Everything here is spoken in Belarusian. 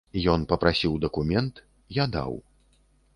Ён папрасіў дакумент, я даў.